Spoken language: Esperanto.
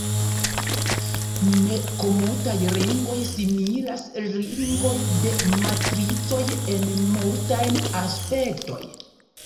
Ne-komutaj ringoj similas ringojn de matricoj en multaj aspektoj.